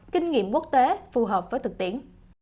kinh nghiệm quốc tế phù hợp với thực tiễn